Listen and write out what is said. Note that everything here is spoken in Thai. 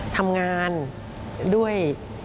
ทำงานด้วย